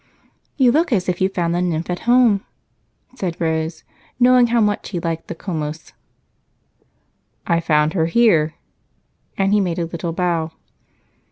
"You look as if you found the nymph at home," said Rose, knowing how much he liked the "Comus." "I found her here," and he made a little bow.